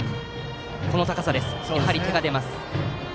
あの高さにやはり手が出ます。